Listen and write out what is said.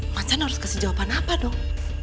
macam mana harus kasih jawaban apa dong